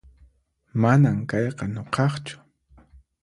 Manan kayqa nuqaqchu